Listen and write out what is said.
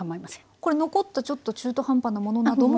これ残ったちょっと中途半端なものなども。